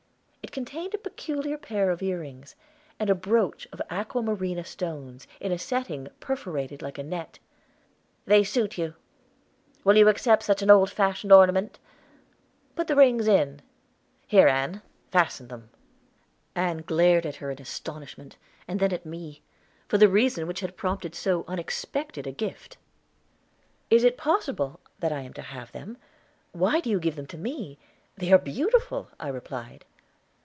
It contained a peculiar pair of ear rings, and a brooch of aqua marina stones, in a setting perforated like a net. "They suit you. Will you accept such an old fashioned ornament? Put the rings in; here Ann, fasten them." Ann glared at her in astonishment, and then at me, for the reason which had prompted so unexpected a gift. "Is it possible that I am to have them? Why do you give them to me? They are beautiful," I replied.